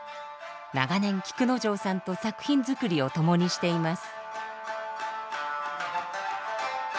長年菊之丞さんと作品づくりを共にしています。